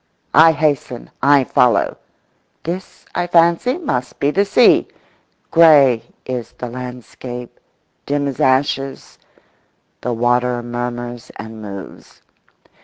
I hasten, I follow. This, I fancy, must be the sea. Grey is the landscape; dim as ashes; the water murmurs and moves.